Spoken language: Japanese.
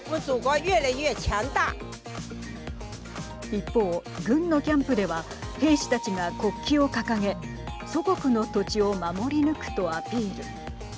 一方、軍のキャンプでは兵士たちが国旗を掲げ祖国の土地を守り抜くとアピール。